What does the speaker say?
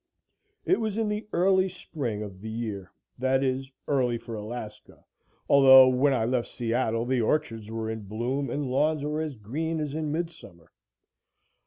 It was in the early spring of the year that is, early for Alaska, although when I left Seattle the orchards were in bloom and lawns were as green as in mid summer.